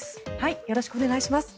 よろしくお願いします。